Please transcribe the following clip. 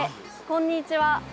こんにちは。